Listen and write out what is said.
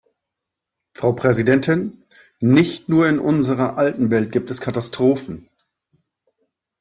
Frau Präsidentin, nicht nur in unserer alten Welt gibt es Katastrophen.